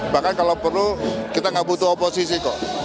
bahkan kalau perlu kita nggak butuh oposisi kok